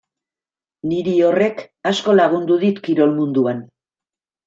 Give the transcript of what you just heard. Niri horrek asko lagundu dit kirol munduan.